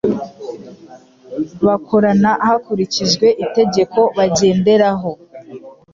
bakorana hakurikijwe itegeko bagenderaho